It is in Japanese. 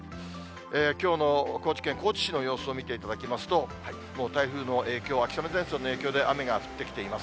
きょうの高知県高知市の様子を見ていただきますと、もう台風の影響、秋雨前線の影響で雨が降ってきています。